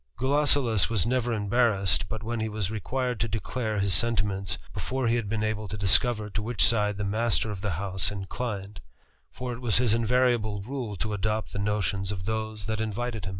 Gulosulus was never embarrassed but when he was required to declare his sentiments before he had been able to discover to which side the master of the house inclined > for it was his invariable rule to adopt the notions of thos^ that invited him.